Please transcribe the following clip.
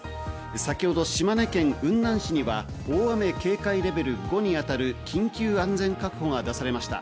先ほど島根県雲南市には大雨警戒レベル５にあたる緊急安全確保が発令されました。